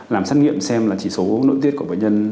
làm xét nghiệm xem là chỉ số nội tiết của bệnh nhân